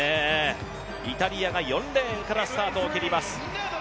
イタリアが４レーンからスタートを切ります。